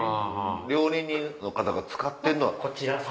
料理人の方が使ってるのは？